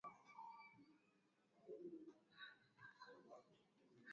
Walipishana nao kwa ujumla